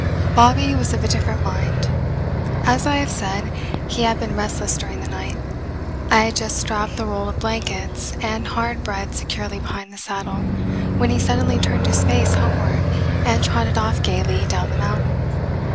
Bobby was of a different mind. As I have said, he had been restless during the night. I had just strapped the roll of blankets and hard bread securely behind the saddle, when he suddenly turned his face homeward and trotted off gaily, down the mountain.